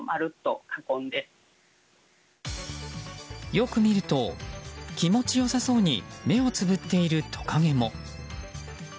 よく見ると、気持ち良さそうに目をつぶっているトカゲも。